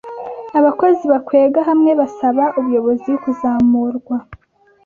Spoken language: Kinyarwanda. Abakozi bakwega hamwe basaba ubuyobozi kuzamurwa.